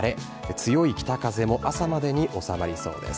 強い北風も朝までに収まりそうです。